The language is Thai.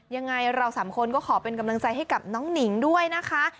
ยังไงเราสามคนก็ขอเป็นกำลังใจให้กับน้องหนิงด้วยนะคะ